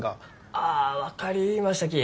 あ分かりましたき。